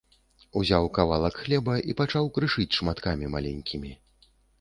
Узяў кавалак хлеба і пачаў крышыць шматкамі маленькімі.